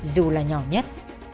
dù là nhỏ nhất